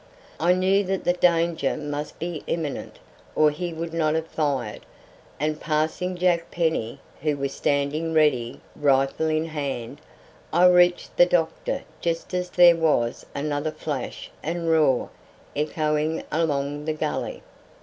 I knew that the danger must be imminent or he would not have fired, and passing Jack Penny, who was standing ready, rifle in hand, I reached the doctor just as there was another flash and roar echoing along the gully.